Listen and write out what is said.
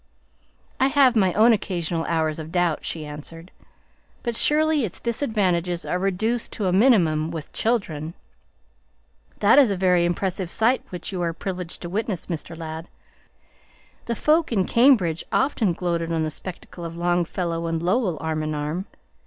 "I have my own occasional hours of doubt," she answered, "but surely its disadvantages are reduced to a minimum with children! That is a very impressive sight which you are privileged to witness, Mr. Ladd. The folk in Cambridge often gloated on the spectacle of Longfellow and Lowell arm in arm.